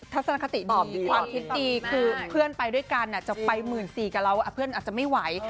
ถ้าสนักคติดีความคิดดีคือเพื่อนไปด้วยกันจะไปหมื่นสี่กันแล้วเพื่อนอาจจะไม่ไหว